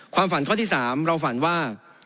ความฝันข้อที่สามเราฝันว่า